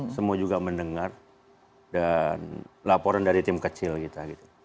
semua juga mendengar dan laporan dari tim kecil kita